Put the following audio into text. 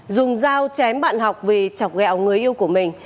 dùng dao chém bạn học vì chọc gẹo người yêu của mình